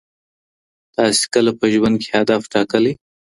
تاسي کله په ژوند کي هدف ټاکلی؟